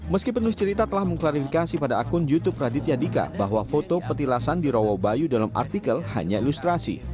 meski penuh cerita telah mengklarifikasi pada akun youtube raditya dika bahwa foto petilasan di rowo bayu dalam artikel hanya ilustrasi